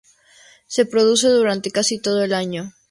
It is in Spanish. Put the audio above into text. Se reproduce durante casi todo el año.